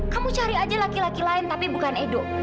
kamu cari aja laki laki lain tapi bukan edo